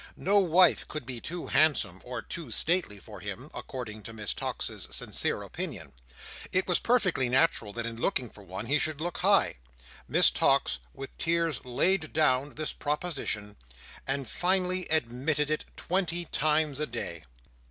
No wife could be too handsome or too stately for him, according to Miss Tox's sincere opinion. It was perfectly natural that in looking for one, he should look high. Miss Tox with tears laid down this proposition, and fully admitted it, twenty times a day.